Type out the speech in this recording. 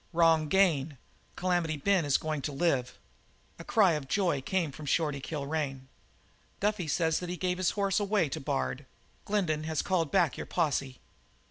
"Wrong again. Calamity Ben is going to live " A cry of joy came from Shorty Kilrain. "Duffy says that he gave his horse away to Bard. Glendin has called back your posse.